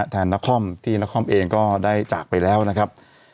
นครที่นครเองก็ได้จากไปแล้วนะครับ